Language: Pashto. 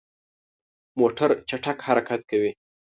موټر چټک حرکت کوي.